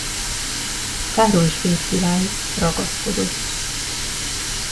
Károly svéd király ragaszkodott.